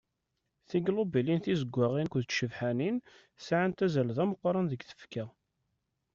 Tiglubulin tizeggaɣin akked tcebḥanin sɛant azal d ameqqran deg tfekka.